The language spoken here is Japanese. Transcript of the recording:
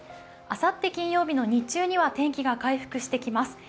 あさって金曜日の日中には天気が回復してきます。